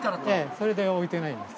それで置いてないんです。